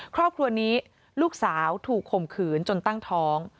ครอบครัวนี้ลูกสาวถูกข่มขืนจนตั้งท้อง